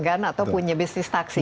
atau punya bisnis taksi